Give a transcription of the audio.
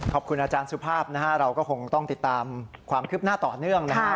ขอบคุณอาจารย์สุภาพนะฮะเราก็คงต้องติดตามความคืบหน้าต่อเนื่องนะฮะ